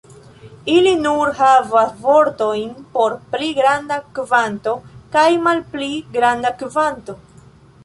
Ili nur havas vortojn por "pli granda kvanto" kaj "malpli granda kvanto".